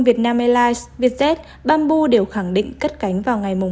việt nam airlines vietjet bamboo đều khẳng định cất cánh vào ngày một mươi tháng một mươi